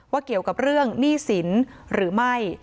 เกี่ยวกับเรื่องหนี้สินหรือไม่